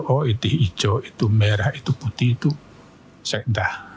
oh itu hijau itu merah itu putih itu sekna